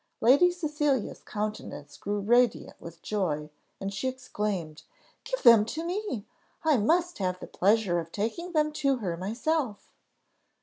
Lady Cecilia's countenance grew radiant with joy, and she exclaimed, "Give them to me, I must have the pleasure of taking them to her myself."